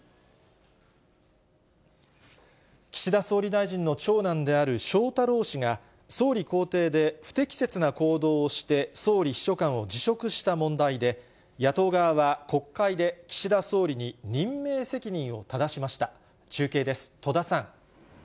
岸田総理大臣の長男である翔太郎氏が、総理公邸で不適切な行動をして総理秘書官を辞職した問題で、野党側は国会で岸田総理に任命責任をただしました。